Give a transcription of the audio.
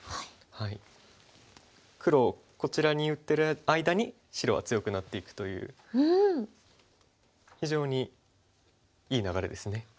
黒をこちらに打ってる間に白は強くなっていくという非常にいい流れですね。